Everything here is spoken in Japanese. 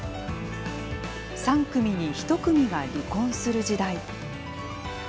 ３組に１組が離婚する時代。